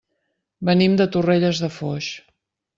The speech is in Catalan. Venim de Torrelles de Foix.